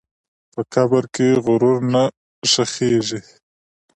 په قبر کې غرور نه ښخېږي.